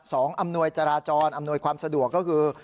อำนวยจราจรอำนวยความสะดวกก็คือ